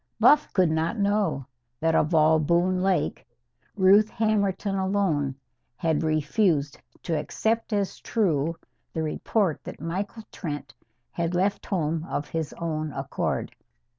Buff could not know that of all Boone Lake, Ruth Hammerton alone had refused to accept as true the report that Michael Trent had left home of his own accord.